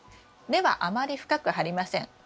根はあまり深く張りません。